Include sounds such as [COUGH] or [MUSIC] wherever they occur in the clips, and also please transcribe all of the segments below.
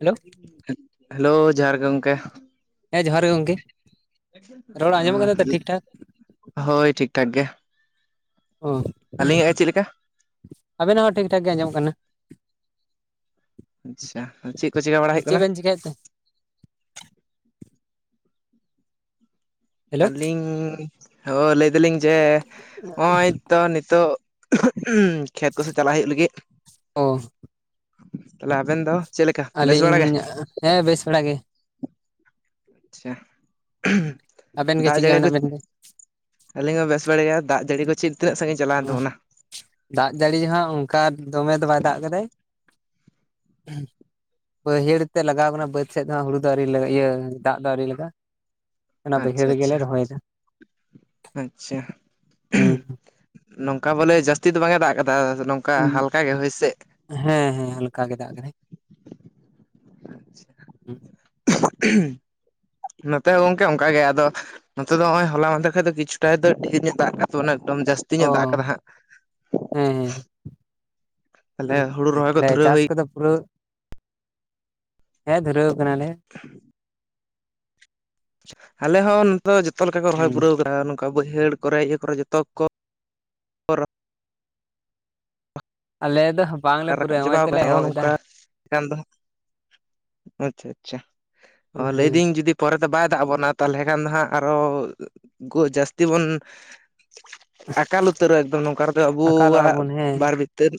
Hello hello ᱡᱚᱦᱟᱨ ᱜᱮ ᱜᱚᱝᱠᱮ ᱦᱮᱸ ᱡᱚᱦᱟᱨ ᱜᱮ ᱜᱚᱝᱠᱮ, ᱨᱚᱲ ᱟᱸᱡᱚᱢᱚᱜ ᱠᱟᱱᱟ ᱛᱚ ᱴᱷᱤᱠ ᱴᱷᱟᱠ? ᱦᱳᱭ ᱴᱷᱤᱠ ᱴᱷᱟᱠ ᱜᱮ᱾ ᱚ ᱟᱹᱞᱤᱧᱟᱜ ᱜᱮ ᱪᱮᱫ ᱞᱮᱠᱟ ᱟᱵᱮᱱᱟᱜ ᱦᱚᱸ ᱴᱷᱤᱠ ᱴᱷᱟᱠ ᱜᱮ ᱟᱸᱡᱚᱢᱚᱜ ᱠᱟᱱᱟ᱾ ᱟᱪᱪᱷᱟ ᱪᱮᱜ ᱠᱚ ᱪᱮᱠᱟ ᱵᱟᱲᱟ ᱦᱩᱭᱩᱜ ᱠᱟᱱᱟ? ᱪᱤᱠᱟᱭᱮᱫ ᱛᱮ? ᱦᱮᱞᱳ ᱟᱹᱞᱤᱧ ᱦᱳ ᱞᱟᱹᱭᱫᱟᱹᱞᱤᱧ ᱡᱮ ᱦᱚᱜ-ᱚᱭ ᱛᱚ ᱱᱤᱛᱳᱜ ᱩᱸ ᱠᱷᱮᱛ ᱠᱚᱥᱮᱪ ᱪᱟᱞᱟᱜ ᱦᱩᱭᱩᱜ ᱞᱟᱹᱜᱤᱫ, ᱚ ᱛᱟᱦᱞᱮ ᱟᱵᱮᱱ ᱫᱚ, ᱪᱮᱜ ᱞᱮᱠᱟ ᱵᱮᱥ ᱵᱟᱲᱟ ᱟᱹᱞᱤᱧ ᱜᱮ? ᱦᱮᱸ ᱵᱮᱥ ᱵᱟᱲᱟ ᱜᱮ᱾ ᱪᱷᱟ ᱟᱵᱮᱱ ᱜᱮ ᱫᱟᱜ ᱪᱮᱫᱠᱟ ᱡᱟᱹᱲᱤ ᱠᱚ ᱢᱮᱱᱟᱜ ᱵᱮᱱ ᱛᱮ ᱟᱹᱞᱤᱧ ᱦᱚᱸ ᱵᱮᱥ ᱵᱟᱲᱟ ᱜᱮᱭᱟ, ᱫᱟᱜ ᱡᱟᱹᱲᱤ ᱫᱚ ᱪᱮᱫ ᱛᱤᱱᱟᱹᱜ ᱥᱟᱺᱜᱤᱧ ᱪᱟᱞᱟᱣᱮᱱ ᱛᱟᱵᱚᱱᱟ? ᱫᱟᱜ ᱡᱟᱹᱲᱤ ᱦᱟᱸᱜ ᱚᱝᱠᱟ ᱫᱚᱢᱮ ᱫᱚ ᱵᱟᱭ ᱫᱟᱜ ᱠᱟᱫᱟᱭ, ᱵᱟᱹᱭᱦᱟᱹᱲ ᱛᱮᱜ ᱞᱟᱜᱟᱣ ᱟᱠᱟᱱᱟ ᱵᱟᱹᱫ ᱥᱮᱫ ᱫᱚ ᱦᱩᱲᱩ ᱫᱚ ᱟᱣᱨᱤ ᱞᱮ ᱤᱭᱟᱹ ᱫᱟᱜ ᱫᱚ ᱟᱹᱣᱨᱤ ᱞᱟᱜᱟ-ᱟ᱾ ᱚᱱᱟ ᱟᱪᱪᱷᱟ ᱵᱟᱹᱭᱦᱟᱹᱲ ᱜᱮᱞᱮ ᱟᱪᱪᱷᱟ ᱨᱚᱦᱚᱭ ᱫᱟ ᱟᱪᱪᱷᱟ ᱦᱩᱸ᱾ ᱱᱚᱝᱠᱟ ᱵᱚᱞᱮ ᱡᱟᱹᱥᱛᱤ ᱫᱚ ᱵᱟᱝ ᱮ ᱫᱟᱜ ᱠᱟᱫᱟ ᱱᱚᱝᱠᱟ ᱦᱟᱞᱠᱟ ᱜᱮ ᱦᱚᱳᱭᱥᱮᱜ? ᱦᱮᱸ ᱦᱮᱸ ᱦᱟᱞᱠᱟ ᱜᱮ ᱫᱟᱜ ᱠᱟᱫᱟᱭ᱾ ᱱᱚᱛᱮ ᱦᱚᱸ ᱜᱚᱝᱠᱮ ᱚᱝᱠᱟ ᱜᱮ, ᱟᱫᱚ ᱱᱚᱛᱮ ᱫᱚ ᱦᱚᱜ ᱚᱭ ᱦᱚᱞᱟ ᱢᱟᱸᱫᱷᱮᱨ ᱠᱷᱚᱡ ᱫᱚ ᱠᱤᱪᱷᱩᱴᱟᱜ ᱫᱚ ᱰᱷᱤᱨ ᱧᱚᱜ ᱫᱟᱜ ᱠᱟᱜ ᱛᱚ ᱚᱱᱮ ᱮᱠᱫᱚᱢ ᱡᱟᱹᱥᱛᱤ ᱚ ᱧᱚᱜ ᱫᱟᱜ ᱠᱟᱫᱟ ᱦᱟᱸᱜ᱾ ᱦᱮᱸ ᱛᱟᱦᱚᱞᱮ ᱦᱮᱸ ᱦᱩᱲᱩ ᱟ ᱨᱚᱦᱚᱭ ᱠᱚ ᱛᱟᱦᱞᱮ ᱫᱷᱩᱨᱟᱹᱣ ᱪᱟᱥ ᱦᱩᱭ ᱠᱚᱫᱚ ᱯᱩᱨᱟᱹᱣ ᱦᱮᱸ ᱫᱷᱩᱨᱟᱹᱣ ᱠᱟᱱᱟᱞᱮ᱾ [INAUDIBLE] ᱟᱞᱮ ᱦᱚᱸ ᱱᱚᱛᱮ ᱫᱚ ᱡᱚᱛᱚ ᱞᱮᱠᱟ ᱠᱚ ᱨᱚᱦᱚᱭ ᱦᱩᱸ ᱯᱩᱨᱟᱹᱣ ᱠᱟᱫᱟ ᱱᱚᱝᱠᱟ ᱵᱟᱹᱭᱦᱟᱹᱲ ᱠᱚᱨᱮ ᱤᱭᱟᱹ ᱠᱚᱨᱮ ᱡᱚᱛᱚᱜ ᱠᱚ, ᱟᱞᱮ ᱫᱚ ᱵᱟᱝᱞᱮ ᱨᱟᱠᱟᱵ ᱯᱩᱨᱟᱹᱣ ᱱᱚᱜᱼᱚᱭ ᱪᱟᱵᱟᱣ ᱛᱮᱞᱮ ᱠᱟᱱᱟ ᱱᱚᱜ-ᱚ ᱮᱦᱚᱵ ᱮᱫᱟ ᱱᱚᱝᱠᱟᱠᱟᱱ ᱫᱚ ᱦᱟᱸᱜ ᱟᱪᱪᱷᱟ ᱟᱪᱪᱷᱟ ᱚ ᱦᱮᱸ ᱞᱟᱹᱭᱫᱤᱧ ᱡᱩᱫᱤ ᱯᱚᱨᱮᱛᱮ ᱵᱟᱭ ᱫᱟᱜ ᱟᱵᱚᱱᱟ ᱛᱟᱞᱦᱮ ᱠᱷᱟᱱ ᱫᱚ ᱦᱟᱸᱜ ᱟᱨᱚ ᱜᱳ ᱡᱟᱹᱥᱛᱤ ᱵᱚᱱ ᱟᱠᱟᱞ ᱩᱛᱟᱹᱨᱚᱜ-ᱟ ᱮᱠᱫᱚᱢ ᱱᱚᱝᱠᱟ ᱨᱮᱫᱚ ᱟᱠᱟᱞᱚᱜᱼᱟ ᱟᱵᱩᱣᱟᱜ ᱵᱚᱱ ᱦᱮᱸ ᱵᱟᱨ ᱵᱷᱤᱛᱟᱹᱨ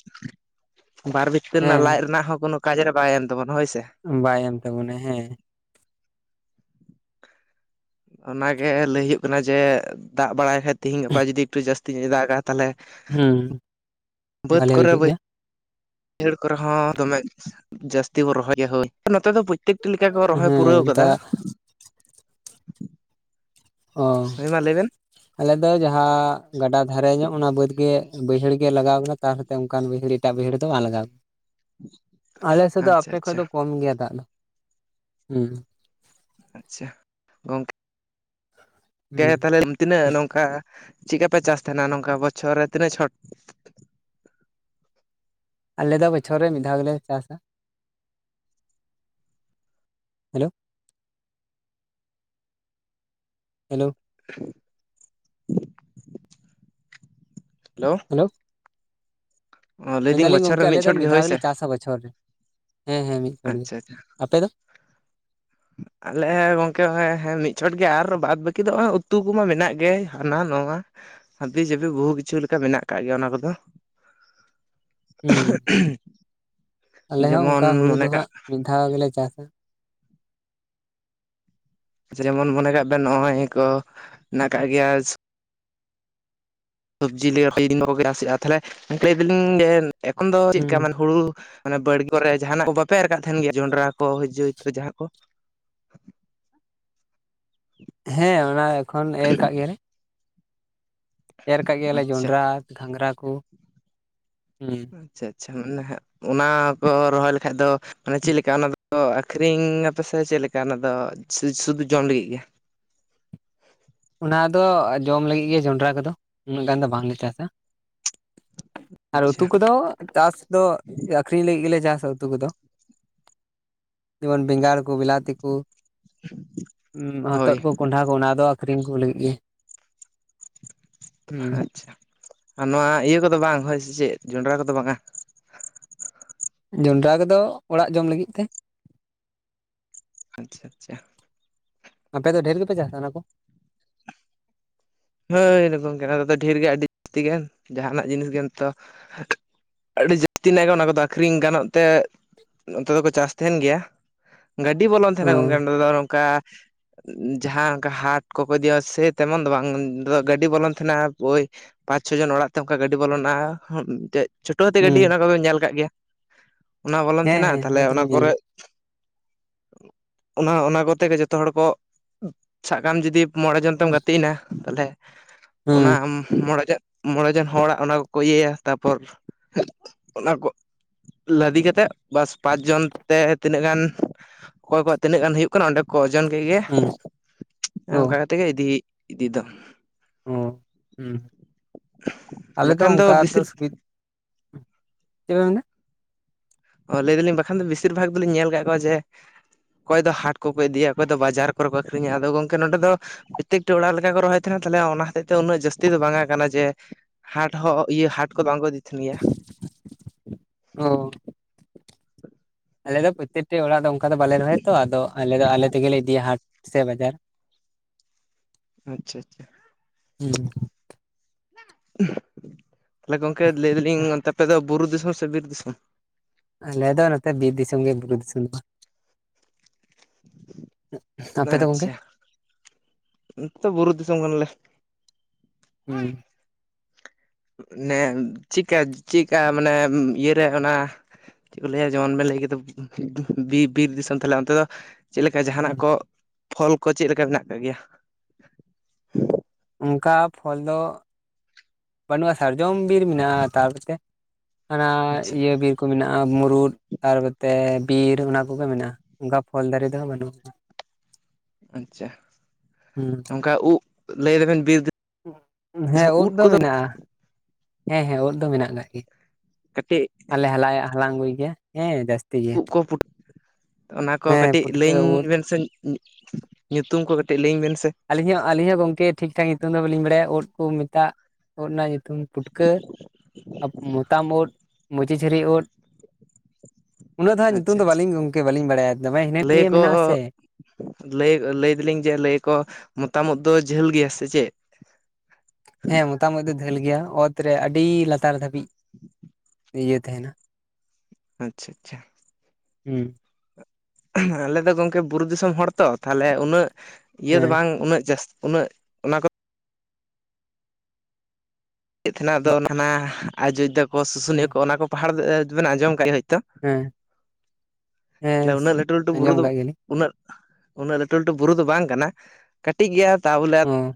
ᱵᱟᱨ ᱵᱤᱛᱛᱟᱹ ᱨᱮᱱᱟᱜ ᱦᱮᱸ ᱞᱟᱡ ᱨᱮᱱᱟᱜ ᱦᱚᱸ ᱠᱳᱱᱳ ᱠᱟᱡᱽ ᱨᱮ ᱵᱟᱭ ᱮᱢ ᱛᱟᱵᱚᱱᱟ ᱦᱳᱭ ᱥᱮ᱾ ᱵᱟᱭ ᱮᱢ ᱛᱟᱵᱚᱱᱟ ᱦᱮᱸ, ᱚᱱᱟᱜᱮ ᱞᱟᱹᱭ ᱦᱩᱭᱩᱜ ᱠᱟᱱᱟ ᱡᱮ ᱫᱟᱜ ᱵᱟᱲᱟᱭ ᱠᱷᱟᱡ ᱛᱤᱦᱤᱧ ᱜᱟᱯᱟ ᱡᱩᱫᱤ ᱮᱠᱴᱩ ᱡᱟᱥ ᱛᱤᱦᱤᱧᱮ ᱫᱟᱜ-ᱟ ᱛᱟᱦᱞᱮ ᱦᱩᱸ ᱵᱟᱹᱫᱽ ᱵᱷᱟᱞᱮ ᱦᱩᱭ ᱠᱚᱨᱮ ᱠᱚᱜ ᱵᱟᱹᱭ ᱜᱮᱭᱟ ᱦᱟᱹᱲ ᱠᱚᱨᱮ ᱦᱚᱸ ᱫᱚᱢᱮ ᱡᱟᱹᱥᱛᱤ ᱵᱚᱱ ᱨᱚᱦᱚᱭᱟ ᱦᱳᱭ ᱱᱚᱛᱮ ᱫᱚ ᱵᱟᱹᱭ ᱯᱤᱛ ᱞᱮᱠᱟ ᱠᱚ ᱨᱚᱦᱚᱭ ᱯᱩᱨᱟᱹᱣ ᱦᱮᱸ ᱛᱟ ᱠᱟᱫᱟ᱾ ᱚ᱾ ᱦᱳᱭ ᱢᱟ ᱞᱟᱹᱭᱵᱮᱱ᱾ ᱟᱞᱮ ᱫᱚ ᱡᱟᱦᱟᱸ ᱜᱟᱰᱟ ᱫᱷᱟᱨᱮ ᱧᱚᱜ ᱚᱱᱟ ᱵᱟᱹᱫ ᱜᱮ ᱵᱟᱹᱭᱦᱟᱹᱲ ᱜᱮ ᱞᱟᱜᱟᱣ ᱠᱟᱱᱟ᱾ ᱛᱟᱨᱦᱚᱛᱮ ᱚᱱᱠᱟᱱ ᱵᱟᱹᱭᱦᱟᱹᱲ ᱮᱴᱟᱜ ᱵᱟᱹᱭᱦᱟᱹᱲ ᱫᱚ ᱵᱟᱝ ᱞᱟᱜᱟᱣ ᱟᱞᱮ ᱥᱮᱫ ᱫᱚ ᱟᱪᱪᱷᱟ ᱟᱯᱮ ᱠᱷᱚᱡ ᱟᱪᱪᱷᱟ ᱫᱚ ᱠᱚᱢ ᱜᱮᱭᱟ ᱫᱟᱜ ᱫᱚ᱾ ᱦᱩᱸ᱾ ᱟᱪᱪᱷᱟ ᱜᱚᱝᱠᱮ᱾ ᱠᱮ ᱦᱩᱸ ᱛᱟᱦᱚᱞᱮ ᱛᱤᱱᱟᱹᱜ ᱱᱚᱝᱠᱟ ᱪᱮᱫᱠᱟ ᱯᱮ ᱪᱟᱥ ᱛᱟᱦᱮᱱᱟ ᱱᱚᱝᱠᱟ ᱵᱚᱪᱷᱚᱨ ᱨᱮ ᱛᱤᱱᱟᱹᱜ ᱪᱷᱚᱴ? ᱟᱞᱮ ᱫᱚ ᱵᱚᱪᱷᱚᱨ ᱨᱮ ᱢᱤᱫ ᱫᱷᱟᱣ ᱜᱮᱞᱮ ᱪᱟᱥᱟ᱾ ᱦᱮᱞᱳ᱾ ᱦᱮᱞᱳ᱾ ᱦᱮᱞᱳ᱾ ᱞᱟᱹᱭᱫᱟᱹᱧ ᱢᱮᱱᱫᱟᱞᱤᱧ ᱵᱚᱪᱷᱚᱨ ᱨᱮ ᱜᱚᱝᱠᱮ ᱟᱞᱮ ᱫᱚ ᱪᱷᱚᱴ ᱜᱮ ᱢᱤᱫ ᱫᱷᱟᱣ ᱦᱳᱭ ᱥᱮ ᱜᱮᱞᱮ ᱪᱟᱥᱟ ᱵᱚᱪᱷᱚᱨ ᱨᱮ᱾ ᱦᱮᱸ ᱦᱮᱸ ᱢᱤᱫ ᱪᱷᱚᱴ ᱜᱮ᱾ ᱟᱪᱪᱷᱟ ᱟᱪᱪᱷᱟ ᱟᱯᱮ ᱫᱚ? ᱟᱞᱮ ᱜᱚᱝᱠᱮᱸ ᱦᱚᱸᱜ-ᱚᱭ ᱢᱤᱫ ᱪᱷᱚᱴ ᱜᱮ ᱟᱨ ᱵᱟᱫ ᱵᱟᱹᱠᱤ ᱫᱚ ᱦᱚᱸᱜ-ᱚᱭ ᱩᱛᱩ ᱠᱚᱢᱟ ᱢᱮᱱᱟᱜ ᱜᱮ ᱦᱟᱱᱟ ᱱᱟᱣᱟ᱾ ᱦᱟᱹᱵᱤ ᱡᱟᱹᱵᱤ ᱵᱚᱦᱩ ᱠᱤᱪᱷᱩ ᱞᱮᱠᱟ ᱢᱮᱱᱟᱜ ᱟᱠᱟᱫ ᱜᱮᱭᱟ ᱚᱱᱟ ᱠᱚᱫᱚ᱾ [INAUDIBLE] [INAUDIBLE] ᱟᱞᱮ ᱦᱚᱸ ᱡᱮᱢᱚᱱ ᱚᱱᱠᱟ ᱦᱩᱲᱩ ᱢᱚᱱᱮ ᱫᱚ ᱠᱟᱜ ᱦᱟᱸᱜ ᱢᱤᱫ ᱫᱷᱟᱣ ᱜᱮᱞᱮ ᱪᱟᱥᱟ᱾ ᱡᱮᱢᱚᱱ ᱢᱚᱱᱮ ᱠᱟᱜ ᱵᱮᱱ ᱱᱚᱜᱼᱚᱭ ᱠᱚ ᱦᱮᱱᱟᱜ ᱟᱠᱟᱜ ᱜᱮᱭᱟ ᱥᱚᱵᱽᱡᱤ ᱞᱟᱹᱭᱟᱠᱚ [UNINTELLIGIBLE] ᱛᱟᱦᱚᱞᱮ ᱜᱚᱝᱠᱮ ᱞᱟᱹᱭ ᱫᱟᱞᱤᱧ ᱡᱮ ᱮᱠᱷᱚᱱ ᱫᱚ ᱪᱮᱫ ᱞᱮᱠᱟ ᱦᱩᱸ ᱢᱟᱱᱮ ᱦᱩᱲᱩ ᱢᱟᱱᱮ ᱵᱟᱲᱜᱮ ᱠᱚᱨᱮ ᱡᱟᱦᱟᱱᱟᱜ ᱠᱚ ᱵᱟᱯᱮ ᱮᱨ ᱠᱟᱫ ᱛᱟᱦᱮᱱ ᱜᱮᱭᱟ ᱡᱚᱱᱰᱨᱟ ᱠᱚ ᱡᱟᱹᱩ ᱛᱚ ᱡᱟᱦᱟᱸ ᱠᱚ? ᱦᱮᱸ ᱚᱱᱟ ᱮᱠᱷᱚᱱ ᱮᱨ ᱠᱟᱜ ᱜᱮᱭᱟᱞᱮ᱾ ᱮᱨ ᱠᱟᱜ ᱜᱮᱭᱟᱞᱮ ᱟᱪᱪᱷᱟ ᱡᱚᱱᱰᱨᱟ ᱜᱷᱟᱸᱜᱽᱨᱟ ᱠᱚ᱾ ᱦᱩᱸ᱾ ᱟᱪᱪᱷᱟ ᱟᱪᱪᱷᱟ ᱢᱟᱱᱮ ᱦᱟᱸᱜ ᱚᱱᱟ ᱠᱚ ᱨᱚᱦᱚᱭ ᱞᱮᱠᱷᱟᱡ ᱫᱚ ᱢᱟᱱᱮ ᱪᱮᱫ ᱞᱮᱠᱟ ᱚᱱᱟ ᱫᱚ ᱛᱚ ᱟᱹᱠᱷᱨᱤᱧ ᱟᱯᱮᱥᱮ ᱪᱮᱫ ᱞᱮᱠᱟ ᱚᱱᱟᱫᱚ ᱥᱩ-ᱥᱩᱫᱩ ᱡᱚᱢ ᱞᱟᱹᱜᱤᱫ ᱜᱮ? ᱚᱱᱟᱫᱚ ᱡᱚᱢ ᱞᱟᱹᱜᱤᱫ ᱜᱮ ᱡᱚᱱᱰᱨᱟ ᱠᱚᱫᱚ, ᱩᱱᱟᱹᱜ ᱜᱟᱱ ᱫᱚ ᱵᱟᱝᱞᱮ ᱪᱟᱥᱟ᱾ ᱟᱨ ᱟᱪᱪᱷᱟ ᱩᱛᱩ ᱠᱚᱫᱚ ᱪᱟᱥ ᱫᱚ ᱟᱹᱠᱷᱨᱤᱧ ᱞᱟᱹᱜᱤᱫ ᱜᱮᱞᱮ ᱡᱟᱥᱟ ᱩᱛᱩ ᱠᱚᱫᱚ᱾ ᱡᱮᱢᱚᱱ ᱵᱮᱸᱜᱟᱲ᱾ ᱠᱚ ᱵᱤᱞᱟᱛᱤ ᱠᱚ, ᱩᱸᱢ ᱦᱳᱭ ᱦᱚᱛᱚᱫ ᱠᱚ, ᱠᱚᱸᱰᱷᱟ ᱠᱚ, ᱚᱱᱟ ᱫᱚ ᱟᱠᱷᱨᱤᱧ ᱠᱚ ᱞᱟᱹᱜᱤᱫ ᱜᱮ᱾ ᱦᱩᱸ ᱟᱪᱷᱟ ᱟᱨ ᱱᱚᱣᱟ ᱤᱭᱟᱹ ᱠᱚᱫᱚ ᱵᱟᱝ ᱦᱳᱭ ᱥᱮ ᱪᱮᱫ ᱡᱚᱸᱰᱨᱟ ᱠᱚᱫᱚ ᱵᱟᱝᱟ? ᱡᱚᱱᱰᱨᱟ ᱠᱚᱫᱚ ᱚᱲᱟᱜ ᱡᱚᱢ ᱞᱟᱹᱜᱤᱫ ᱛᱮ᱾ ᱟᱪᱷᱟ ᱟᱪᱪᱷᱟ᱾ ᱟᱯᱮ ᱫᱚ ᱰᱷᱮᱨ ᱜᱮᱯᱮ ᱪᱟᱥᱟ ᱚᱱᱟ ᱠᱚ? ᱦᱳᱭ ᱨᱚ ᱜᱚᱝᱠᱮ ᱟᱞᱮ ᱫᱚ ᱰᱷᱮᱨ ᱜᱮᱭᱟ ᱟᱹᱰᱤ ᱡᱟᱹᱥᱛᱤ ᱜᱟᱱ ᱡᱟᱦᱟᱱᱟᱜ ᱡᱤᱱᱤᱥ ᱜᱮᱢ ᱛᱚ ᱟᱹᱰᱤ ᱡᱟᱹᱥᱛᱤ ᱨᱮᱱᱟᱜ ᱜᱮ ᱚᱱᱟ ᱠᱚᱫᱚ ᱟᱠᱷᱨᱤᱧ ᱜᱟᱱᱚᱜ ᱛᱮ ᱱᱚᱛᱮ ᱫᱚᱠᱚ ᱪᱟᱥ ᱛᱟᱦᱮᱱ ᱜᱮᱭᱟ᱾ ᱜᱟᱹᱰᱤ ᱵᱚᱞᱚᱱ ᱚ ᱛᱟᱦᱮᱱᱟ ᱜᱚᱝᱠᱮ ᱱᱚᱸᱰᱮ ᱫᱚ ᱱᱚᱝᱠᱟ ᱡᱟᱦᱟᱸ ᱚᱝᱠᱟ ᱦᱟᱴ ᱠᱚᱠᱚ ᱤᱫᱤᱭᱟᱤᱭᱟ ᱥᱮ ᱛᱮᱢᱚᱱ ᱫᱚ ᱵᱟᱝ᱾ ᱱᱚᱱᱛᱮ ᱫᱚ ᱜᱟᱹᱰᱤ ᱵᱚᱞᱚᱱ ᱛᱟᱦᱮᱱᱟ ᱳᱭ ᱯᱟᱸᱪ-ᱪᱷᱚ ᱡᱚᱱ ᱚᱲᱟᱜ ᱛᱮ ᱚᱱᱠᱟ ᱜᱟᱹᱰᱤ ᱵᱚᱞᱚᱱᱟ ᱦᱚᱸ ᱢᱤᱫᱴᱮᱡ ᱪᱷᱴᱳ ᱦᱟᱹᱛᱤ ᱜᱟᱹᱰᱤ ᱦᱩᱸ ᱚᱱᱟ ᱠᱚᱫᱚ ᱵᱮᱱ ᱧᱮᱞ ᱠᱟᱜ ᱜᱮᱭᱟ᱾ ᱚᱱᱟ ᱦᱚᱸ ᱵᱚᱞᱚᱱ ᱦᱮᱸ ᱛᱟᱦᱮᱱᱟ ᱟᱨ ᱦᱮᱸ ᱛᱟᱦᱚᱞᱮ ᱚᱱᱟ ᱫᱚᱞᱤᱧ ᱧᱮᱞ ᱠᱚᱨᱮᱜ ᱚᱱᱟ ᱚᱱᱟ ᱠᱚᱛᱮ ᱜᱮ ᱡᱚᱛᱚ ᱦᱚᱲ ᱠᱚ ᱥᱟᱵ ᱠᱟᱜ ᱢᱮ ᱡᱩᱫᱤ ᱢᱚᱬᱮ ᱡᱚᱱ ᱛᱮᱢ ᱦᱩᱸ ᱜᱟᱛᱮᱭᱱᱟ ᱛᱟᱦᱞᱮ ᱚᱱᱟ ᱢᱚᱬᱮ ᱡᱟᱜ ᱢᱚᱬᱮ ᱡᱚᱱ ᱦᱚᱲᱟᱜ ᱚᱱᱟ ᱠᱚᱠᱚ ᱤᱭᱟᱹᱭᱟ᱾ ᱛᱟᱯᱚᱨ ᱚᱱᱟ ᱠᱚ ᱞᱟᱫᱤ ᱠᱟᱛᱮᱫ ᱵᱟᱥ ᱯᱟᱸᱪ ᱡᱚᱱ ᱛᱮ ᱛᱤᱱᱟᱹᱜ ᱜᱟᱱ ᱚᱠᱚᱭ ᱠᱚᱣᱟᱜ ᱛᱤᱱᱟᱹᱜ ᱜᱟᱱ ᱦᱩᱭᱩᱜ ᱠᱟᱱᱟ ᱚᱸᱰᱮ ᱠᱚ ᱳᱡᱚᱱ ᱠᱮᱫ ᱜᱮ ᱦᱩᱸ ᱚ ᱚᱱᱠᱟ ᱠᱟᱛᱮ ᱜᱮ ᱤᱫᱤ ᱤᱫᱤ ᱫᱚ᱾ ᱚᱸ ᱦᱩ᱾ᱸ ᱟᱞᱮ ᱫᱚ ᱵᱟᱠᱷᱟᱱ ᱚᱱᱠᱟ ᱫᱚ ᱵᱮᱥᱤᱨ ᱥᱩᱵᱤᱫ ᱪᱮ ᱵᱮᱱ ᱢᱮᱱᱫᱟ? ᱚ ᱞᱟᱹᱭ ᱫᱟᱞᱤᱧ ᱵᱟᱠᱷᱟᱱ ᱫᱚ ᱵᱮᱥᱤᱨ ᱵᱷᱟᱜᱽ ᱫᱚᱞᱤᱧ ᱧᱮᱞ ᱟᱠᱟᱜ ᱠᱚᱣᱟ ᱡᱮ ᱚᱠᱚᱭ ᱫᱚ ᱦᱟᱴ ᱠᱚᱠᱚ ᱤᱫᱤᱭᱟ ᱚᱠᱚᱭ ᱫᱚ ᱵᱟᱡᱟᱨ ᱠᱚᱨᱮ ᱠᱚ ᱟᱹᱠᱷᱨᱤᱧᱟ, ᱟᱫᱚ ᱜᱚᱝᱠᱮ ᱱᱚᱸᱰᱮ ᱫᱚ ᱯᱨᱚᱛᱛᱮᱠᱴᱤ ᱚᱲᱟᱜ ᱞᱮᱠᱟ ᱠᱚ ᱨᱚᱦᱚᱭ ᱛᱟᱦᱮᱱᱟ, ᱛᱟᱦᱚᱞᱮ ᱚᱱᱟ ᱦᱚᱛᱮᱡ ᱛᱮ ᱩᱱᱟᱹᱜ ᱡᱟᱹᱥᱛᱤ ᱫᱚ ᱵᱟᱝ ᱟᱠᱟᱱᱟ ᱡᱮ ᱦᱟᱴ ᱦᱚᱸ ᱤᱭᱟᱹ ᱦᱟᱴ ᱠᱚ ᱵᱟᱝ ᱠᱚ ᱤᱫᱤ ᱛᱟᱦᱮᱱ ᱜᱮᱭᱟ᱾ ᱚ᱾ ᱟᱞᱮ ᱫᱚ ᱯᱨᱚᱛᱮᱠᱴᱤ ᱚᱲᱟᱜ ᱫᱚ ᱚᱱᱠᱟ ᱫᱚ ᱵᱟᱞᱮ ᱨᱚᱦᱚᱭᱟ ᱛᱚ, ᱟᱫᱚ ᱟᱞᱮ ᱫᱚ ᱟᱞᱮ ᱛᱮᱜᱮ ᱞᱮ ᱤᱫᱤᱭᱟ ᱦᱟᱴ ᱥᱮ ᱵᱟᱡᱟᱨ᱾ ᱟᱪᱪᱷᱟ ᱟᱪᱪᱷᱟ᱾ ᱦᱩᱸ᱾ ᱩᱸᱦ ᱛᱟᱦᱞᱮ ᱜᱚᱝᱠᱮ ᱞᱟᱹᱭ ᱫᱟᱞᱤᱧ ᱚᱱᱛᱮ ᱟᱯᱮ ᱫᱚ ᱵᱩᱨᱩ ᱫᱤᱥᱚᱢ ᱥᱮ ᱵᱤᱨ ᱫᱤᱥᱚᱢ? ᱟᱞᱮ ᱫᱚ ᱱᱚᱛᱮ ᱵᱤᱨ ᱫᱤᱥᱚᱢ ᱜᱮ ᱵᱩᱨᱩ ᱫᱤᱥᱚᱢ ᱫᱚ ᱵᱟ᱾ ᱵᱟᱝ ᱟᱯᱮ ᱫᱚ ᱜᱚᱝᱠᱮ ᱟᱪᱪᱷᱟ ᱱᱚᱛᱮ ᱵᱩᱨᱩ ᱫᱤᱥᱚᱢ ᱠᱟᱱᱟᱞᱮ᱾ ᱦᱩᱸ᱾ ᱢᱟᱱᱮ ᱪᱤᱜ ᱠᱟ ᱪᱤᱜ ᱠᱟ ᱢᱟᱱᱮ ᱤᱭᱟᱹᱨᱮ ᱚᱱᱟ ᱪᱮᱫ ᱠᱚ ᱞᱟᱹᱭᱟ ᱡᱮᱢᱚᱱ ᱵᱮᱱ ᱞᱟᱹᱭ ᱠᱮᱫᱟ ᱵᱤᱼᱵᱤᱨ ᱫᱤᱥᱚᱢ ᱛᱟᱦᱞᱮ ᱚᱱᱛᱮ ᱫᱚ ᱪᱮᱫ ᱞᱮᱠᱟ ᱡᱟᱦᱟᱱᱟᱜ ᱦᱩᱸ ᱠᱚ ᱯᱷᱚᱞ ᱠᱚ ᱪᱮᱫ ᱞᱮᱠᱟ ᱢᱮᱱᱟᱜ ᱠᱟᱜ ᱜᱮᱭᱟ? ᱚᱝᱠᱟ ᱯᱷᱚᱞ ᱫᱚ ᱵᱟᱹᱱᱩᱜᱼᱟ ᱥᱟᱨᱡᱚᱢ ᱵᱤᱨ ᱢᱮᱱᱟᱜᱼᱟ ᱛᱟᱨᱯᱚᱨ ᱛᱮ ᱚᱱᱟ ᱟᱪᱪᱷᱟ ᱤᱭᱟᱹ ᱵᱤᱨ ᱠᱚ ᱢᱮᱱᱟᱜᱼᱟ ᱢᱩᱨᱩᱫ ᱛᱟᱨᱯᱚᱛᱮ ᱵᱤᱨ ᱚᱱᱟ ᱠᱚᱜᱮ ᱢᱮᱱᱟᱜᱼᱟ, ᱚᱝᱠᱟ ᱯᱷᱚᱞ ᱫᱟᱨᱮ ᱫᱚ ᱦᱟᱸᱜ ᱵᱟᱹᱱᱩᱜᱼᱟ᱾ [INAUDIBLE] ᱟᱪᱪᱷᱟ᱾ ᱦᱩᱸ ᱱᱚᱝᱠᱟ ᱩᱜ ᱞᱟᱹᱭ ᱫᱟᱵᱮᱱ ᱵᱤᱨ [UNINTELLIGIBLE] ᱩᱫ ᱠᱚᱫᱚ ᱟᱸᱦ ᱦᱮᱸ ᱦᱮᱸ ᱳᱫ ᱫᱚ ᱢᱮᱱᱟᱜ ᱠᱟᱜ ᱜᱮ᱾ ᱠᱟᱴᱤᱜ ᱟᱞᱮ ᱦᱟᱞᱟᱭᱟ ᱦᱟᱞᱟᱝ ᱟᱹᱜᱩᱭ ᱜᱮᱭᱟ ᱦᱮᱸ ᱡᱟᱹᱥ ᱩᱜ ᱠᱚ ᱯᱩᱴ ᱚᱱᱟ ᱠᱚ ᱦᱮᱸ ᱠᱟᱹᱴᱤᱡ ᱯᱩᱴᱠᱟᱹ ᱞᱟᱹᱭᱟᱹᱧ ᱩᱫ ᱵᱮᱱ ᱥᱮ᱾ ᱧᱩᱛᱩᱢ ᱠᱚ ᱠᱟᱹᱴᱤᱡ ᱞᱟᱹᱭᱟᱹᱧ ᱵᱤᱱ ᱥᱮ᱾ ᱟᱹᱞᱤᱧ ᱦᱚᱸ ᱟᱹᱞᱤᱧ ᱦᱚᱸ ᱜᱚᱝᱠᱮ ᱴᱷᱤᱠ ᱴᱷᱟᱠ ᱧᱩᱛᱩᱢ ᱫᱚ ᱵᱟᱟᱹᱞᱤᱧ ᱵᱟᱲᱟᱭᱟ ᱳᱫ ᱠᱚ ᱢᱮᱛᱟᱜ ᱳᱫ ᱨᱮᱱᱟᱜ ᱛᱩᱢ ᱯᱩᱴᱠᱟᱹ ᱟᱨ ᱢᱚᱛᱟᱢ ᱳᱫ, ᱢᱩᱪᱤ ᱪᱷᱟᱹᱨᱤ ᱳᱫ ᱩᱱᱟᱹᱜ ᱫᱚ ᱦᱟᱸᱜ ᱧᱩᱛᱩᱢ ᱟᱪᱪᱷᱟ ᱫᱚ ᱟᱪᱪᱷᱟ ᱵᱟᱹᱞᱤᱧ ᱜᱚᱝᱠᱮ ᱵᱟᱹᱞᱤᱧ ᱵᱟᱲᱟᱭᱟ᱾ ᱫᱚᱢᱮ ᱦᱤᱱᱟᱹ ᱞᱟᱹᱭ ᱱᱤᱭᱟᱹ ᱟᱠᱚ ᱢᱮᱱᱟᱜ ᱟᱥᱮ ᱞᱟᱹᱭ ᱞᱟᱹᱭ ᱫᱟᱹᱞᱤᱧ ᱡᱮ ᱞᱟᱹᱭ ᱟᱠᱚ ᱢᱚᱛᱟᱢ ᱩᱫ ᱫᱚ ᱡᱷᱟᱹᱞ ᱜᱮᱭᱟ ᱥᱮ ᱪᱮᱫ? ᱦᱮᱸ ᱢᱚᱛᱟᱢ ᱫᱚ ᱝᱷᱟᱹᱞ ᱜᱮᱭᱟ, ᱚᱛ ᱨᱮ ᱟᱹᱰᱤ ᱞᱟᱛᱟᱨ ᱫᱷᱟᱹᱵᱤᱡ᱾ ᱤᱭᱟᱹ ᱛᱟᱦᱮᱱᱟ᱾ ᱟᱪᱪᱷᱟ ᱟᱪᱪᱷᱟ᱾ ᱦᱮᱸ᱾ ᱟᱞᱮ ᱫᱚ ᱜᱚᱢᱠᱮ ᱵᱩᱨᱩ ᱫᱤᱥᱚᱢ ᱦᱚᱲ ᱛᱚ, ᱛᱟᱦᱚᱞᱮ ᱩᱱᱟᱹᱜ ᱤᱭᱟᱹ ᱫᱚ ᱦᱮᱸ ᱵᱟᱝ ᱩᱱᱟᱹᱜ ᱡᱟᱹᱥ ᱩᱱᱟᱹᱜ ᱚᱱᱟ ᱠᱚᱫᱚ ᱪᱮᱫ ᱛᱮᱱᱟᱜ ᱫᱚ ᱵᱟ ᱚᱱᱟ ᱚᱱᱟ ᱟᱡᱳᱫᱽᱫᱷᱟ ᱠᱚ ᱥᱩᱥᱩᱱᱤᱭᱟ ᱠᱚ ᱚᱱᱟ ᱠᱚ ᱯᱟᱦᱟᱲ ᱵᱮᱱ ᱟᱸᱡᱚᱢ ᱠᱟᱜ ᱜᱮᱭᱟ ᱦᱳᱭ ᱛᱚ ᱦᱮᱸ ᱦᱮᱸ ᱛᱟᱦᱞᱮ ᱩᱱᱟᱹᱜ ᱞᱟᱹᱴᱩ ᱞᱟᱹᱴᱩ ᱵᱩᱨᱩ ᱟᱸᱡᱚᱢ ᱫᱚ ᱠᱟᱜ ᱜᱮᱭᱟᱞᱤᱧ ᱩᱱᱟᱹᱜ ᱩᱱᱟᱹᱜ ᱞᱟᱹᱴᱩ ᱞᱟᱹᱴᱩ ᱵᱩᱨᱩ ᱫᱚ ᱵᱟᱝ ᱠᱟᱱᱟ, ᱠᱟᱹᱴᱤᱡ ᱜᱮᱭᱟ ᱛᱟ ᱵᱚᱞᱮ ᱦᱚᱸ᱾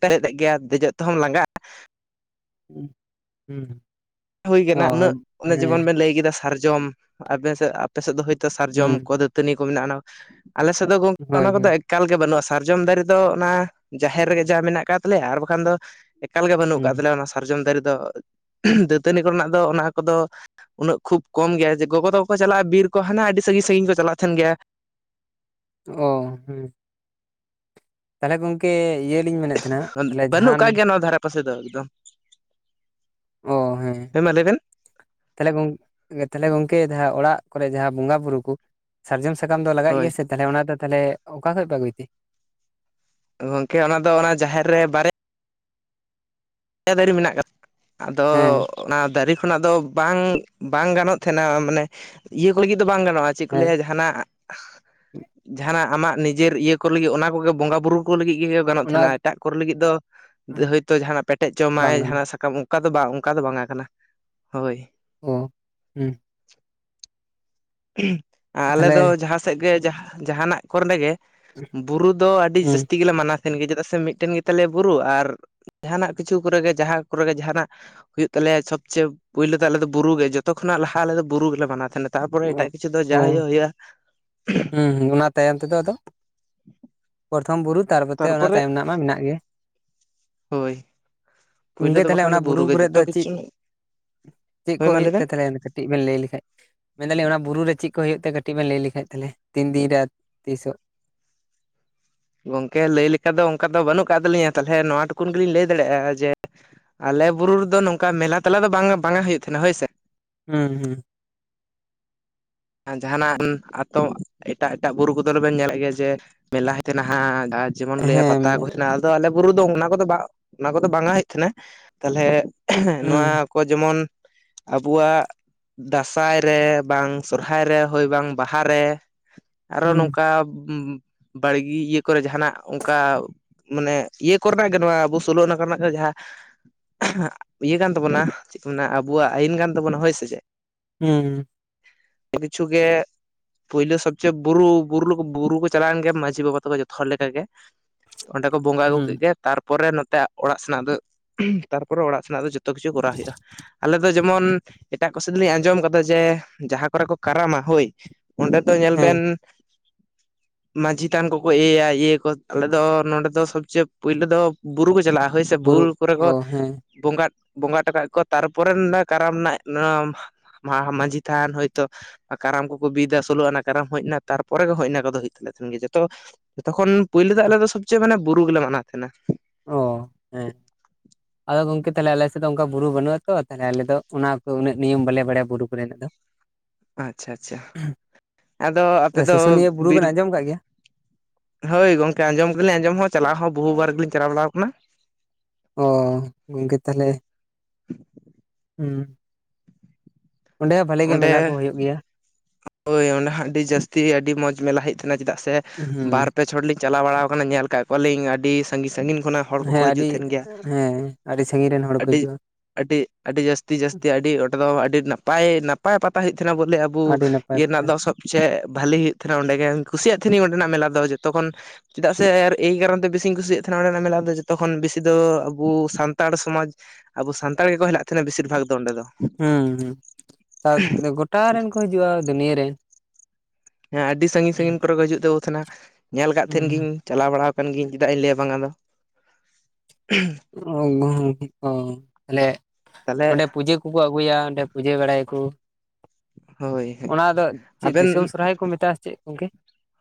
[UNINTELLIGIBLE] ᱜᱮᱭᱟ ᱫᱮᱡᱚᱜ ᱛᱮᱦᱚᱢ ᱞᱟᱸᱜᱟᱜᱼᱟ᱾ ᱩᱸ ᱦᱩᱸ᱾ ᱦᱳᱭ ᱚ ᱠᱟᱱᱟ ᱩᱱᱟᱹᱜ ᱚᱱᱮ ᱦᱮᱸ ᱡᱮᱢᱚᱱ ᱵᱮᱱ ᱞᱟᱹᱭ ᱠᱮᱫᱟ ᱥᱟᱨᱡᱚᱢ ᱟᱵᱮ ᱥᱮᱫ ᱟᱯᱮ ᱥᱮᱫ ᱫᱚ ᱦᱚᱭᱛᱚ ᱥᱟᱨᱡᱚᱢ ᱦᱩᱸ ᱠᱚᱫᱚ ᱛᱟᱹᱱᱤ ᱠᱚ ᱢᱮᱱᱟᱜᱼᱟ ᱚᱱᱟ, ᱟᱞᱮ ᱥᱮᱫ ᱫᱚ ᱜᱚᱝᱠᱮ ᱚᱱᱟ ᱦᱳᱭ ᱠᱚᱫᱚ ᱦᱳᱭ ᱮᱠᱟᱞ ᱜᱮ ᱵᱟᱹᱱᱩᱜᱼᱟ ᱥᱟᱨᱡᱚᱢ ᱫᱟᱨᱮ ᱫᱚ ᱚᱱᱟ ᱡᱟᱦᱮᱨ ᱨᱮᱜᱮ ᱡᱟ ᱢᱮᱱᱟᱜ ᱟᱠᱟᱫ ᱛᱟᱞᱮᱭᱟ ᱟᱨ ᱵᱟᱠᱷᱟᱱ ᱫᱚ, ᱮᱠᱟᱞ ᱜᱮ ᱵᱟᱹᱱᱩᱜ ᱦᱩᱸ ᱟᱠᱟᱫ ᱛᱟᱞᱮᱭᱟ ᱚᱱᱟ ᱾ ᱥᱟᱨᱡᱚᱢ ᱫᱟᱨᱮ ᱫᱚ [UNINTELLIGIBLE] ᱫᱟᱹᱛᱟᱹᱱᱤ ᱠᱚᱨᱮ ᱱᱟᱜ ᱫᱚ ᱚᱱᱟ ᱠᱚᱫᱚᱼᱼ ᱩᱱᱟᱹᱜ ᱠᱷᱩᱵᱽ ᱠᱚᱢ ᱜᱮᱭᱟ ᱡᱮ ᱜᱚᱜᱚ ᱛᱟᱠᱚ ᱪᱟᱞᱟᱜᱼᱟ ᱵᱤᱨ ᱠᱚ ᱦᱟᱱᱟ ᱟᱹᱰᱤ ᱥᱟᱺᱜᱤᱧ ᱥᱟᱺᱜᱤᱧ ᱠᱚ ᱪᱟᱞᱟᱜ ᱛᱟᱸᱦᱮᱱ ᱜᱮᱭᱟ ᱾ ᱚ ᱦᱮᱸ ᱾ ᱛᱟᱦᱚᱞᱮ ᱜᱚᱝᱠᱮ ᱤᱭᱟᱹ ᱞᱤᱧ ᱢᱮᱱᱮᱫ ᱛᱟᱸᱦᱮᱱᱟ, ᱛᱟᱦᱚᱞᱮ ᱡᱟᱦᱟᱱᱼᱼ ᱟᱯᱮ ᱥᱮᱫ ᱫᱚ ᱮᱠᱫᱚᱢ, ᱦᱮᱸ ᱢᱟ ᱞᱟᱹᱭ ᱵᱮᱱ ᱾ ᱛᱟᱦᱞᱮ ᱜᱚᱝ, ᱛᱟᱦᱞᱮ ᱜᱚᱝᱠᱮ ᱡᱟᱦᱟᱸ ᱚᱲᱟᱜ ᱠᱚᱨᱮ ᱡᱟᱦᱟᱸ ᱵᱚᱸᱜᱟ ᱵᱩᱨᱩ ᱠᱚᱼᱼ ᱥᱟᱨᱡᱚᱢ ᱥᱟᱠᱟᱢ ᱫᱚ ᱞᱟᱜᱟᱜ ᱦᱳᱭ ᱜᱮᱭᱟ ᱥᱮ ᱛᱟᱦᱚᱞᱮ ᱚᱱᱟ ᱫᱚ ᱛᱟᱦᱚᱞᱮ ᱚᱠᱟ ᱠᱷᱚᱡ ᱯᱮ ᱟᱹᱜᱩᱭ ᱛᱮ? ᱜᱚᱝᱠᱮ ᱚᱱᱟ ᱫᱚ ᱚᱱᱟ ᱡᱟᱦᱮᱨ ᱨᱮ ᱵᱟᱨᱭᱟᱼᱼ ᱯᱮᱭᱟ ᱫᱟᱨᱮ ᱢᱮᱱᱟᱜ ᱟᱠᱟᱫ ᱟᱫᱚᱼᱼ ᱦᱮᱸ ᱚᱱᱟ ᱫᱟᱨᱮ ᱠᱷᱚᱱᱟᱜ ᱫᱚ ᱵᱟᱝ ᱵᱟᱝ ᱜᱟᱱᱚᱜ ᱛᱟᱸᱦᱮᱱᱟ, ᱢᱟᱱᱮ ᱤᱭᱟᱹ ᱠᱚ ᱞᱟᱹᱜᱤᱫ ᱫᱚ ᱵᱟᱝ ᱜᱟᱱᱚᱜᱼᱟ ᱾ ᱪᱮᱫ ᱠᱚ ᱦᱮᱸ ᱞᱟᱹᱭᱟ ᱡᱟᱸᱦᱟᱱᱟᱜᱼᱼ ᱡᱟᱸᱦᱟᱱᱟᱜ ᱟᱢᱟᱜ ᱱᱤᱡᱮᱨ ᱤᱭᱟᱹ ᱠᱚ ᱞᱟᱹᱜᱤᱫ ᱚᱱᱟ ᱠᱚᱜᱮ ᱵᱚᱸᱜᱟ ᱵᱩᱨᱩ ᱠᱚ ᱞᱟᱹᱜᱤᱫ ᱜᱮᱼᱼ ᱜᱟᱱᱚᱜ ᱚᱱᱟ ᱛᱟᱸᱦᱮᱱᱟ ᱾ ᱮᱴᱟᱜ ᱠᱚᱨᱮ ᱞᱟᱹᱜᱤᱫ ᱫᱚ ᱦᱚᱭᱛᱳ ᱡᱟᱸᱦᱱᱟᱜ ᱯᱮᱴᱮᱡ ᱡᱚᱢᱟᱭ ᱵᱟᱝ ᱜᱟᱱᱚᱜ ᱡᱟᱸᱦᱱᱟᱜ ᱥᱟᱠᱟᱢᱼᱼ ᱚᱱᱠᱟ ᱫᱚ ᱵᱟᱝ ᱚᱱᱠᱟ ᱫᱚ ᱵᱟᱝᱟ ᱠᱟᱱᱟ, ᱦᱳᱭᱼᱼ ᱚ ᱦᱩᱸ ᱾ [UNINTELLIGIBLE] ᱟᱞᱮ ᱛᱟᱦᱚᱞᱮ ᱫᱚ ᱡᱟᱦᱟᱸ ᱥᱮᱫ ᱜᱮ ᱡᱟ ᱡᱟᱦᱟᱱᱟᱜ ᱠᱚᱨᱮ ᱜᱮᱼᱼ ᱵᱩᱨᱩ ᱫᱚ ᱟᱹᱰᱤ ᱦᱩᱸ ᱡᱟᱹᱥᱛᱤ ᱜᱮᱞᱮ ᱢᱟᱱᱟᱼᱼ ᱥᱮᱱ ᱜᱮ ᱪᱮᱫᱟᱜ ᱥᱮ ᱢᱤᱫᱴᱮᱱ ᱜᱮ ᱛᱟᱞᱮᱭᱟ ᱵᱩᱨᱩ ᱟᱨ, ᱡᱟᱦᱟᱱᱟᱜ ᱠᱤᱪᱷᱩ ᱠᱚᱨᱮ ᱜᱮ ᱡᱟᱦᱟᱸ ᱠᱚᱨᱮ ᱜᱮ ᱡᱟᱸᱦᱟᱱᱟᱜᱼᱼ ᱦᱩᱭᱩᱜ ᱛᱟᱞᱮᱭᱟ ᱥᱚᱵᱽᱪᱮ ᱯᱩᱭᱞᱳ ᱫᱚ ᱟᱞᱮ ᱫᱚ ᱵᱩᱨᱩ ᱜᱮ ᱡᱚᱛᱚ ᱱᱟᱜ ᱞᱟᱦᱟ ᱟᱞᱮ ᱵᱩᱨᱩ ᱜᱮᱞᱮ ᱢᱟᱱᱟᱣ ᱛᱟᱸᱦᱮᱱᱟ ᱛᱟᱦᱼᱼ ᱮᱴᱟᱜ ᱠᱤᱪᱷᱩ ᱫᱚ ᱡᱟ ᱚ ᱦᱩᱭᱩᱜᱼᱟ ᱦᱩᱭᱩᱜᱼᱟ᱾ ᱦᱩᱸ ᱦᱩᱸ ᱚᱱᱟ ᱛᱟᱭᱚᱢ ᱛᱮᱫᱚ ᱟᱫᱚᱼᱼ ᱯᱨᱚᱛᱷᱚᱢ ᱵᱩᱨᱩ ᱛᱟᱨ ᱯᱚᱨᱛᱮ ᱚᱱᱟ ᱛᱟᱨᱯᱚᱨᱮ ᱛᱟᱭᱚᱢ ᱨᱮᱱᱟᱜ ᱢᱟ ᱢᱮᱱᱟᱜ ᱜᱮ ᱾ ᱦᱳᱭ ᱾ ᱜᱚᱝᱠᱮ ᱛᱟᱦᱞᱮ ᱚᱱᱟ ᱵᱩᱨᱩ ᱠᱚᱨᱮᱫ ᱫᱚ ᱡᱚᱛᱚ ᱪᱮᱫ, ᱠᱤᱪᱷᱩ ᱪᱮᱫ ᱠᱚ ᱦᱳᱭ ᱢᱟ ᱞᱟᱹᱭ ᱦᱩᱭᱩᱜ ᱛᱮ ᱵᱮᱱ ᱛᱟᱦᱞᱮ? ᱵᱮᱱ ᱞᱟᱹᱭ ᱞᱮᱠᱷᱟᱡ, ᱢᱮᱱ ᱫᱟᱞᱤᱧ ᱚᱱᱟ ᱵᱩᱨᱩ ᱨᱮ ᱪᱮᱫ ᱠᱚ ᱦᱩᱭᱩᱜ ᱛᱟᱸᱦᱮᱫ ᱠᱟᱹᱴᱤᱡ ᱵᱮᱱ ᱞᱟᱹᱭ ᱞᱮᱠᱷᱟᱡ ᱛᱟᱦᱚᱞᱮᱼᱼ ᱛᱤᱱ ᱫᱤᱱ ᱨᱮ ᱟᱨ ᱛᱤᱥᱚᱜ? ᱜᱚᱝᱠᱮ ᱞᱟᱹᱭ ᱞᱮᱠᱟ ᱫᱚ ᱚᱱᱠᱟ ᱫᱚ ᱵᱟᱹᱱᱩᱜ ᱠᱟᱫ ᱛᱟᱞᱤᱧᱟ, ᱛᱟᱦᱚᱞᱮ ᱱᱚᱣᱟ ᱴᱩᱠᱩᱱ ᱜᱮᱞᱤᱧ ᱞᱟᱹᱭ ᱫᱟᱲᱮᱭᱟᱜᱼᱟ ᱡᱮᱼᱼ ᱟᱞᱮ ᱵᱩᱨᱩ ᱨᱮᱫᱚ ᱱᱚᱝᱠᱟ ᱢᱮᱞᱟ ᱛᱮᱞᱟ ᱫᱚ ᱵᱟᱝ ᱵᱟᱝᱟ ᱦᱩᱭᱩᱜ ᱛᱟᱸᱦᱮᱱᱟ ᱦᱚᱭ ᱥᱮ ᱾ ᱦᱩᱸ ᱦᱩᱸ ᱾ ᱡᱟᱸᱦᱱᱟᱜ ᱟᱸ ᱟᱛᱳ, ᱮᱴᱟᱜ ᱮᱴᱟᱜ ᱵᱩᱨᱩ ᱠᱚᱫᱚ ᱞᱮᱵᱮᱱ ᱧᱮᱞᱮᱫ ᱜᱮᱭᱟ ᱡᱮ ᱢᱮᱞᱟᱭ ᱛᱮ ᱱᱟᱦᱟᱜᱼᱼ ᱡᱮᱢᱚᱱ ᱞᱟᱹᱭᱟ ᱦᱮᱸ ᱯᱟᱛᱟ ᱠᱚ ᱛᱟᱦᱮᱸᱱᱟ, ᱟᱫᱚ ᱟᱞᱮ ᱵᱩᱨᱩ ᱫᱚ ᱚᱱᱟ ᱠᱚᱫᱚ ᱵᱟ ᱚᱱᱟ ᱠᱚᱫᱚ ᱵᱟᱝᱟ ᱦᱩᱭᱩᱜ ᱛᱟᱦᱮᱸᱱᱟ ᱛᱟᱦᱚᱞᱮᱼᱼ [UNINTELLIGIBLE] ᱱᱚᱣᱟ ᱦᱩᱸ ᱠᱚ ᱡᱮᱢᱚᱱ ᱟᱵᱚᱣᱟᱜ ᱫᱟᱸᱥᱟᱭ ᱨᱮ ᱵᱟᱝᱼᱼ ᱥᱚᱨᱦᱟᱭ ᱨᱮ ᱦᱳᱭ ᱵᱟᱝ ᱵᱟᱦᱟ ᱨᱮ ᱟᱨᱚ ᱦᱩᱸ ᱱᱚᱝᱠᱟ ᱩᱢᱼᱼ ᱵᱟᱲᱜᱤ ᱤᱭᱟᱹ ᱠᱚᱨᱮ ᱡᱟᱸᱦᱟᱱᱟᱜ ᱚᱱᱠᱟᱼᱼ ᱢᱟᱱᱮ ᱤᱭᱟᱹ ᱠᱚᱨᱮᱱᱟᱜ ᱜᱮ ᱱᱚᱣᱟ ᱟᱵᱩ ᱥᱳᱞᱳ ᱟᱱᱟ ᱠᱚᱨᱮᱱᱟᱜ ᱜᱮ ᱡᱟᱦᱟᱸᱼᱼ [UNINTELLIGIBLE] ᱤᱭᱟᱹ ᱠᱟᱱ ᱛᱟᱵᱚᱱᱟ, ᱪᱮᱫ ᱠᱚ ᱢᱮᱱᱟ ᱟᱵᱚᱣᱟᱜ ᱟᱭᱤᱱ ᱠᱟᱱ ᱛᱟᱵᱚᱱᱟ ᱦᱳᱭ ᱥᱮ ᱪᱮᱫ? ᱦᱩᱸᱻ ᱠᱤᱪᱷᱩ ᱜᱮᱼᱼ ᱯᱩᱭᱞᱩ ᱥᱚᱵᱽᱪᱮ ᱵᱩᱨᱩ, ᱵᱩᱨᱩ ᱵᱩᱨᱩ ᱠᱚ ᱪᱟᱞᱟᱣᱮᱱ ᱜᱮᱭᱟ ᱢᱟᱡᱷᱤ ᱵᱟᱵᱟ ᱛᱟᱠᱚ ᱡᱚᱛᱚ ᱦᱚᱲ ᱞᱮᱠᱟ ᱜᱮᱼᱼ ᱚᱸᱰᱮ ᱠᱚ ᱵᱚᱸᱜᱟ ᱟᱹᱜᱩ ᱦᱩᱸ ᱠᱮᱫ ᱜᱮ ᱛᱟᱨᱯᱚᱨᱮ ᱱᱚᱛᱮ ᱚᱲᱟᱜ ᱥᱮᱱᱟᱜ ᱫᱚ [UNINTELLIGIBLE] ᱛᱟᱨᱯᱚᱨᱮ ᱚᱲᱟᱜ ᱥᱮᱱᱟᱜ ᱫᱚ ᱡᱚᱼᱼ ᱡᱚᱛᱚ ᱠᱤᱪᱷᱩ ᱠᱚᱨᱟᱣ ᱦᱩᱭᱩᱜᱼᱟ ᱾ ᱟᱞᱮᱫᱚ ᱡᱮᱢᱚᱱ ᱮᱴᱟᱜ ᱠᱚᱥᱮᱫ ᱫᱚᱞᱤᱧ ᱟᱸᱡᱚᱢ ᱠᱟᱫᱟ ᱡᱮᱼᱼ ᱡᱟᱦᱟᱸ ᱠᱚᱨᱮ ᱠᱚ ᱠᱟᱨᱟᱢᱟ ᱦᱳᱭ, ᱚᱸᱰᱮ ᱫᱚ ᱧᱮᱞ ᱦᱮᱸ ᱵᱮᱱᱼᱼ [UNINTELLIGIBLE] ᱢᱟᱺᱡᱷᱤ ᱛᱷᱟᱱ ᱠᱚᱠᱚ ᱮᱭᱟᱭᱟ ᱤᱭᱟᱹᱭᱟᱠᱚ, ᱟᱞᱮ ᱱᱚᱸᱰᱮ ᱫᱚ ᱥᱚᱵᱽ ᱪᱮᱭᱮ ᱯᱩᱭᱞᱩ ᱫᱚ ᱵᱩᱨᱩ ᱠᱚ ᱪᱟᱞᱟᱜᱼᱟ ᱾ ᱦᱳᱭ ᱥᱮ ᱵᱩᱨᱩ ᱵᱩᱞ ᱠᱚᱨᱮ ᱚ ᱠᱚᱼᱼ ᱦᱮᱸ ᱵᱚᱸᱜᱟ, ᱵᱚᱸᱜᱟ ᱴᱚ ᱠᱟᱫ ᱟᱠᱚ, ᱛᱟᱨᱯᱚᱨᱮ ᱱᱚ ᱠᱟᱨᱟᱢ ᱨᱮᱱᱟᱜᱟᱦᱟ᱾ [INAUDIBLE] ᱢᱟᱺᱡᱷᱤᱷ ᱫᱷᱟᱱ ᱦᱚᱭᱛᱚ ᱠᱟᱨᱟᱢ ᱠᱚᱠᱚ ᱵᱤᱫᱟ ᱾ ᱥᱳᱞᱳ ᱟᱱᱟ ᱠᱟᱨᱟᱢ ᱦᱮᱡ ᱱᱟ, ᱛᱟᱨᱯᱚᱨᱮ ᱦᱟᱭ ᱤᱱᱟ ᱠᱚᱼᱫᱚ ᱦᱩᱭᱩᱜ ᱛᱟᱞᱮ ᱛᱟᱦᱮᱱ ᱜᱮᱭᱟ᱾ ᱡᱚᱛᱚ ᱡᱚᱠᱷᱚᱱ ᱯᱩᱭᱞᱩ ᱫᱚ ᱟᱞᱮ ᱫᱚ ᱥᱚᱵᱽᱪᱮ ᱢᱟᱱᱮ ᱵᱩᱨᱩ ᱜᱮᱞᱮ ᱢᱟᱱᱟᱣ ᱛᱟᱦᱮᱱᱟ᱾ ᱚ ᱦᱮᱸ ᱟᱫᱚ ᱜᱚᱝᱠᱮ ᱛᱟᱦᱮ ᱟᱞᱮ ᱥᱮᱫ ᱫᱚ ᱚᱱᱠᱟ ᱵᱩᱨᱩ ᱵᱟᱹᱱᱩᱜ-ᱟ ᱛᱚ᱾ ᱛᱟᱦᱚᱞᱮ ᱫᱚ ᱚᱱᱟ ᱠᱚ ᱩᱱᱟᱹᱜ ᱱᱤᱭᱚᱢ ᱵᱟᱞᱮ ᱵᱟᱲᱟᱭ-ᱟ ᱵᱩᱨᱩ ᱠᱚᱨᱮᱱᱟᱜ ᱫᱚ᱾ ᱟᱪᱪᱷᱟ - ᱟᱪᱪᱷᱟ ᱟᱫᱚ, ᱟᱯᱮ ᱫᱚ ᱥᱩᱥᱩᱱᱤᱭᱟᱹ ᱵᱩᱨᱩ ᱵᱤᱨᱼᱼ ᱵᱮᱱ ᱟᱸᱡᱚᱢ ᱠᱟᱜ ᱜᱮᱭᱟ ᱦᱳᱭ ᱜᱚᱝᱠᱮ ᱟᱸᱡᱚᱢ ᱜᱮᱞᱤᱧ ᱟᱸᱡᱚᱢ ᱦᱚᱸ, ᱪᱟᱞᱟᱣ ᱦᱚᱸ ᱵᱚᱦᱩ ᱵᱟᱨ ᱜᱮᱞᱤᱧ ᱪᱟᱞᱟᱣ ᱵᱟᱲᱟᱣ ᱠᱟᱱᱟ᱾ ᱚᱸ ᱜᱚᱝᱠᱮ ᱛᱟᱦᱞᱮ, ᱦᱩᱸ ᱚᱸᱰᱮ ᱦᱚᱸ ᱵᱷᱟᱞᱮ ᱜᱮ ᱚᱸᱰᱮ ᱢᱮᱞᱟ ᱠᱚ ᱦᱳᱭᱳᱜ ᱜᱮᱭᱟ᱾ ᱦᱳᱭ ᱚᱸᱰᱮ ᱦᱚᱸ ᱟᱹᱰᱤ ᱡᱟᱹᱥᱛᱤ ᱟᱹᱰᱤ ᱢᱚᱡᱽ ᱢᱮᱞᱟ ᱦᱳᱭᱳᱜ ᱛᱟᱦᱮᱱᱟ ᱾ᱪᱮᱫᱟᱜ ᱥᱮ ᱦᱩᱸ ᱵᱟᱨᱼᱼ ᱯᱮ ᱪᱷᱚᱴ ᱞᱤᱧ ᱪᱟᱞᱟᱣ ᱵᱟᱲᱟ ᱠᱟᱱᱟ᱾ ᱧᱮᱞ ᱠᱟᱫ ᱠᱚᱣᱟᱞᱤᱧ ᱟᱹᱰᱤ ᱥᱟᱺᱜᱤᱧ - ᱥᱟᱺᱜᱤᱧ ᱠᱷᱚᱱᱟᱜᱼᱼ ᱦᱮᱸ ᱟᱹᱰᱤ, ᱦᱮᱸ ᱟᱹᱰᱤ ᱥᱟᱺᱜᱤᱧ ᱨᱮᱱ ᱦᱚᱲ ᱠᱚ ᱟᱹᱰᱤ ᱦᱤᱡᱩᱜᱼᱟ᱾ ᱟᱹᱰᱤ, ᱟᱹᱰᱤ ᱡᱟᱹᱥᱛᱤ - ᱡᱟᱹᱥᱛᱤ ᱟᱹᱰᱤ ᱚᱸᱰᱮ ᱫᱚ ᱟᱹᱰᱤ ᱱᱟᱯᱟᱭ - ᱱᱟᱯᱟᱭ ᱯᱟᱛᱟ ᱦᱩᱭᱩᱜ ᱛᱟᱦᱮᱱᱟ ᱾ ᱵᱚᱞᱮ ᱟᱵᱚᱼᱼ ᱟᱵᱚ ᱟᱹᱰᱤ ᱱᱟᱯᱟᱭ ᱤᱭᱟᱹ ᱨᱮᱱᱟᱜ ᱠᱟᱛᱷᱟ ᱫᱚ ᱥᱚᱵ ᱪᱮ ᱵᱷᱟᱞᱮ ᱦᱩᱭᱩᱜ ᱛᱟᱦᱮᱱᱟ᱾ ᱚᱸᱰᱮᱜᱮ ᱠᱩᱥᱤᱭᱟᱜ ᱛᱟᱦᱮᱱᱤᱧ, ᱚᱸᱰᱮᱱᱟᱜ ᱢᱮᱞᱟ ᱫᱚ ᱡᱚᱛᱚ ᱠᱷᱚᱱ ᱪᱮᱫᱟᱜ ᱥᱮ, ᱟᱨ ᱮᱭ ᱠᱟᱨᱚᱱ ᱛᱮ ᱵᱮᱥᱤᱧ ᱠᱩᱥᱤᱭᱟᱜ ᱛᱟᱦᱮᱱᱟ᱾ ᱚᱸᱰᱮᱱᱟᱜ ᱢᱮᱞᱟ ᱫᱚ ᱡᱚᱛᱚ ᱠᱷᱚᱱ ᱵᱮᱥᱤ ᱫᱚ ᱟᱵᱚ ᱥᱟᱱᱛᱟᱲ ᱥᱚᱢᱟᱡᱽ ᱟᱵᱚ ᱥᱟᱱᱛᱟᱲ ᱜᱮᱠᱚ ᱦᱮᱱᱟᱜ ᱛᱟᱦᱮᱱᱟ ᱾ ᱵᱮᱥᱤᱨ ᱵᱷᱟᱜᱽ ᱫᱚ, ᱚᱸᱰᱮ ᱫᱚ ᱦᱩᱸ ᱦᱩᱸ ᱜᱳᱚᱴᱟ ᱨᱮᱱ ᱠᱚ ᱦᱤᱡᱩᱜᱼᱟ᱾ ᱫᱩᱱᱭᱟ. ᱨᱮᱱ ᱦᱮᱸ ᱟᱹᱰᱤ ᱥᱟᱺᱜᱤᱧ - ᱥᱟᱺᱜᱤᱧ ᱠᱚᱨᱮ ᱠᱚ ᱦᱤᱡᱩᱜ ᱛᱟᱵᱚ ᱛᱟᱦᱮᱱᱟ ᱾ ᱧᱮᱞ ᱟᱠᱟᱫ ᱛᱟᱦᱮᱱ ᱦᱩᱸ ᱜᱤᱧ᱾ ᱪᱟᱞᱟᱣ ᱵᱟᱲᱟ ᱠᱟᱱ ᱜᱤᱭᱟᱹᱧ ᱾ᱪᱮᱫᱟᱜ ᱤᱧ ᱞᱟᱹᱭᱟ ᱵᱟᱝᱟ ᱫᱚ᱾ [UNINTELLIGIBLE] ᱛᱟᱦᱞᱮ ᱛᱟᱦᱚᱞᱮ ᱚᱸᱰᱮ ᱯᱩᱡᱟᱹ ᱠᱚ ᱩᱱᱠᱩ ᱠᱚ ᱟᱹᱜᱩᱭᱟ᱾ ᱚᱸᱰᱮ ᱯᱩᱡᱟᱹ ᱵᱟᱲᱟᱭᱟᱠᱚ᱾ ᱦᱳᱭ ᱦᱳᱭ ᱚᱱᱟ ᱫᱚ, ᱪᱮᱫ ᱟᱵᱮᱱ ᱫᱤᱥᱚᱢ ᱥᱚᱨᱦᱟᱭ ᱠᱚ ᱢᱮᱛᱟᱜᱼᱟ ᱾ ᱥᱮ ᱪᱮᱫ ᱜᱳᱝᱠᱮ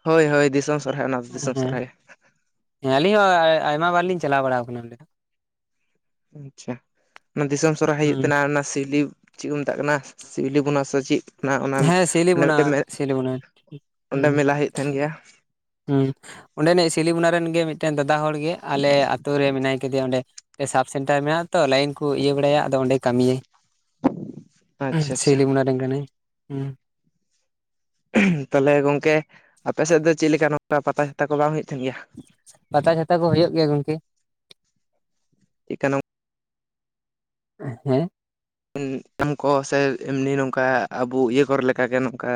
ᱦᱳᱭ, ᱦᱳᱭ ᱫᱤᱥᱚᱢ ᱥᱚᱨᱦᱟᱭ᱾ ᱚᱱᱟ ᱫᱚ ᱫᱤᱥᱚᱢ ᱥᱚᱨᱦᱟᱭ ᱦᱮᱸ ᱟᱹᱞᱤᱧ ᱦᱚᱸ ᱟᱭᱢᱟ ᱵᱟᱨ ᱞᱤᱧ ᱪᱟᱞᱟᱣ ᱵᱟᱲᱟ ᱠᱟᱱᱟ᱾ ᱟᱪᱪᱷᱟ, ᱚᱱᱟ ᱫᱤᱥᱚᱢ ᱥᱚᱨᱦᱟᱭ ᱦᱩᱭᱩᱜ ᱠᱟᱱᱟ᱾ ᱚᱱᱟ ᱥᱤᱣᱞᱤ ᱪᱮᱫ ᱠᱚ ᱢᱮᱛᱟᱜ ᱠᱟᱱᱟ᱾ ᱥᱤᱣᱞᱤ ᱵᱚᱱᱟ ᱥᱮ ᱪᱮᱫ ᱚᱱᱟ, ᱚᱱᱟ ᱦᱮᱸ ᱚᱸᱰᱮ ᱥᱤᱞᱤᱵᱚᱱᱟ ᱢᱤᱫᱴᱮᱱ ᱢᱮ, ᱥᱤᱞᱤᱵᱚᱱᱟ ᱚᱸᱰᱮ ᱦᱩᱸ ᱢᱮᱞᱟ ᱦᱩᱭᱩᱜ ᱛᱟᱦᱮᱱ ᱜᱮᱭᱟ᱾ ᱦᱩᱸ ᱚᱸᱰᱮᱱᱤᱡ ᱥᱤᱞᱤᱢᱚᱱᱟ ᱨᱮᱱ ᱜᱮ ᱢᱤᱫᱴᱮᱱ ᱫᱟᱫᱟ ᱦᱚᱲ ᱜᱮ ᱪᱮ, ᱟᱞᱮ ᱟᱹᱛᱩ ᱨᱮ ᱢᱮᱱᱟᱭ ᱠᱮᱫᱮᱭᱟ ᱚᱸᱰᱮ, ᱥᱟᱵ ᱥᱮᱱᱴᱟᱨ ᱢᱮᱱᱟᱜ ᱛᱚ, ᱞᱟᱭᱤᱱ ᱠᱚ ᱤᱭᱟᱹ ᱵᱟᱲᱟᱭᱟ ᱾ᱟᱫᱚ ᱚᱸᱰᱮ ᱠᱟᱹᱢᱤᱭᱟᱭ᱾ ᱟᱪᱪᱷᱟ ᱟᱪᱪᱷᱟ ᱥᱤᱞᱤᱤ ᱢᱩᱱᱟ ᱨᱮᱱ ᱠᱟᱱᱟᱹᱭ ᱾ᱦᱮᱸ-ᱼ ᱛᱚᱞᱮ ᱜᱚᱝᱠᱮ, ᱟᱯᱮ ᱥᱮᱫ ᱫᱚ ᱪᱮᱫᱞᱮᱠᱟ ᱱᱚᱝᱠᱟ ᱯᱟᱛᱟ ᱪᱷᱟᱛᱟ ᱠᱚ ᱵᱟᱝ ᱦᱩᱭᱩᱜ ᱛᱟᱦᱮᱱ ᱜᱮᱭᱟ᱾ ᱯᱟᱛᱟ-ᱪᱷᱟᱛᱟ ᱠᱚ ᱦᱩᱭᱩᱜ ᱜᱮᱭ-ᱟ᱾ ᱜᱳᱝᱠᱮ ᱪᱮᱫᱠᱟᱱᱟ ᱦᱮᱸ ᱮᱢ ᱠᱚ, ᱥᱮ ᱮᱢᱱᱤ ᱱᱚᱝᱠᱟ ᱟᱵᱚ ᱤᱭᱟᱹ ᱠᱚᱨᱮ ᱞᱮᱠᱟᱜᱮ ᱱᱚᱝᱠᱟ᱾